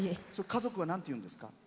家族はなんて言うんですか？